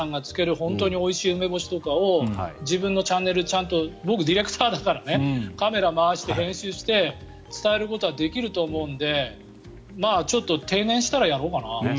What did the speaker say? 本当においしい梅干しとかを自分のチャンネルでちゃんと僕、ディレクターだからカメラを回して編集して伝えることはできると思うので